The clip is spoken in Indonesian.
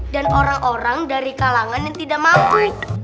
dan orang orang dari kalangan yang tidak mampu